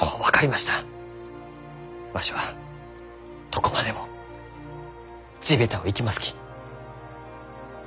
わしはどこまでも地べたを行きますき。